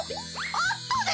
あったで！